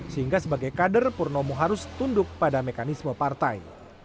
sehingga sebagai kader purnomo harus tunduk pada mekanisme partai